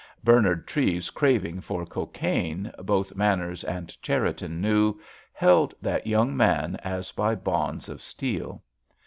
Bernard Treves's craving for cocaine, both Manners and Cherriton knew, held that young man as by bonds of steel.